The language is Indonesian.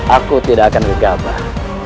aku tidak akan regabah